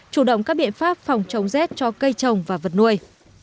chủ động các biện pháp phòng chống rét cho cây trồng và vật nuôi